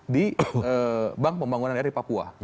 di bank pembangunan daerah di papua